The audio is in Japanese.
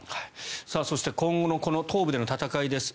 そして今後の東部での戦いです。